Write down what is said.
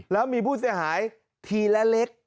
แล้วมีผู้เสียหายทีละเล็ก